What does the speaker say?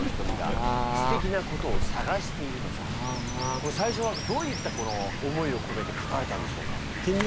これ最初はどういった思いをこめて書かれたんでしょうか？